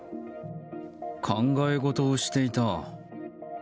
考え事をしていた。